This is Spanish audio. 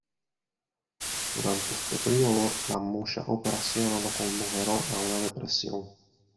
Durante este periodo, las muchas operaciones lo condujeron a una depresión.